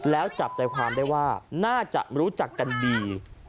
แล้วจับใจความได้ว่าน่าจะรู้จักกันดี